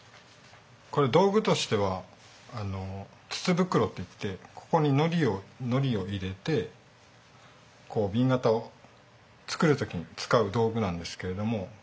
これ道具としては筒袋っていってここにのりを入れて紅型を作る時に使う道具なんですけれども。